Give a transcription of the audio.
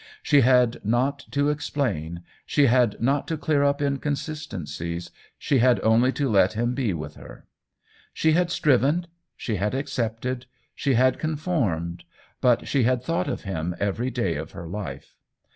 She had not to ex plain, she had not to clear up inconsisten cies, she had only to let him be with her. She had striven, she had accepted, she had conformed ^ but she had thought of him every day of her life.